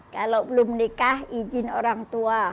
kalau belum nikah izin orang tua